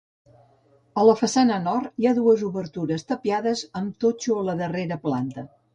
A la façana nord, hi ha dues obertures tapiades amb totxo a la darrera planta.